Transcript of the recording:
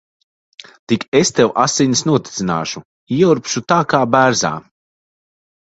Tik es tev asinis notecināšu. Ieurbšu tā kā bērzā.